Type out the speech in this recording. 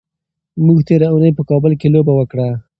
موږ تېره اونۍ په کابل کې لوبه وکړه.